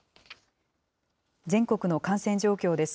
全国の感染状況です。